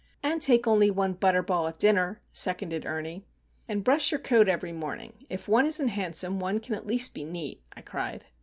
"And take only one butter ball at dinner," seconded Ernie. "And brush your coat every morning. If one isn't handsome, one can at least be neat," I cried.